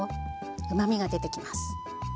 うまみが出てきます。